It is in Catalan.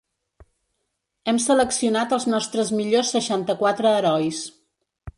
Hem seleccionat els nostres millors seixanta-quatre herois.